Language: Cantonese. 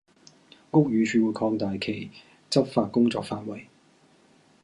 屋宇署會擴大其執法工作範圍